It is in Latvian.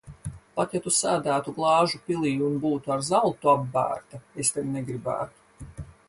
Pat ja Tu sēdētu glāžu pilī un būtu ar zeltu apbērta, es tevi negribētu.